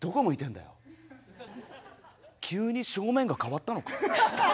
急に正面が変わったのか？